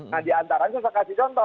nah diantaranya saya kasih contoh